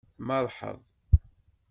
Tmerrḥeḍ.